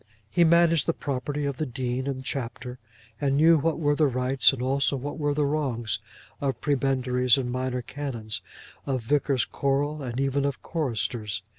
He managed the property of the dean and chapter, and knew what were the rights, and also what were the wrongs, of prebendaries and minor canons, of vicars choral, and even of choristers.